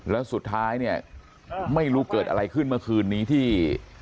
แล้วสุดท้ายเนี่ยไม่รู้เกิดอะไรขึ้นเมื่อคืนนี้ที่